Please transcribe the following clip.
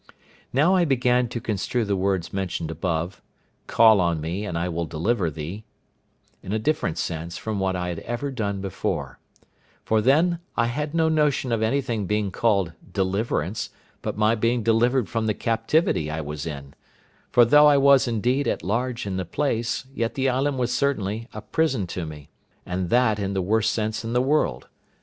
Now I began to construe the words mentioned above, "Call on Me, and I will deliver thee," in a different sense from what I had ever done before; for then I had no notion of anything being called deliverance, but my being delivered from the captivity I was in; for though I was indeed at large in the place, yet the island was certainly a prison to me, and that in the worse sense in the world.